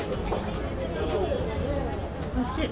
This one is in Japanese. おいしい。